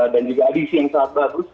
dan juga adisi yang sangat bagus